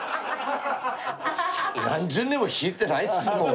何十年も弾いてないですもん。